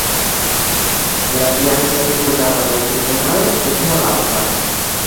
La fiança imposada pel tribunal és molt alta